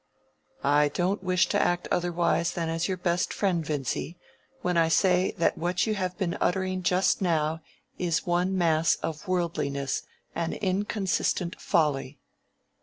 "I don't wish to act otherwise than as your best friend, Vincy, when I say that what you have been uttering just now is one mass of worldliness and inconsistent folly."